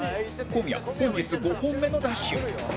小宮本日５本目のダッシュ